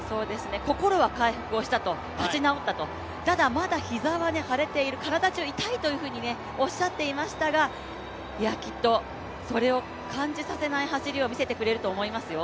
心は回復をしたと、立ち直ったとただ膝はまだ腫れている、体じゅう痛いというふうにおっしゃっていましたが、きっとそれを感じさせない走りを見せてくれると思いますよ。